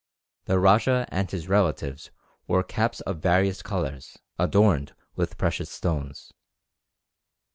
The rajah and his relatives wore caps of various colours, adorned with precious stones.